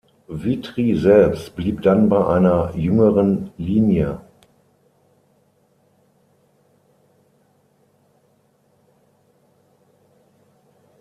Vitry selbst blieb dann bei einer jüngeren Linie.